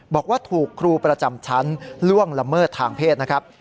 บอกว่าถูกครูประจำชั้นล่วงละเมิดทางเพศนะครับ